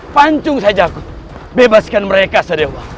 pancung saja aku bebaskan mereka saja